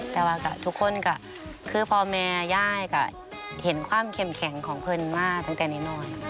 แต่ว่าทุกคนก็คือพ่อแม่ย่ายก็เห็นความเข้มแข็งของเพลินมาตั้งแต่นี้นอน